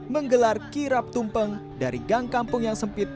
menggelar kirap tumpeng dari gang kampung yang sempit